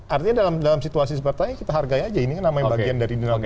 artinya dalam situasi sepertanya kita hargai saja ini kan namanya bagian dari dinamika